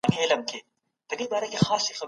کله به حکومت ترانزیت په رسمي ډول وڅیړي؟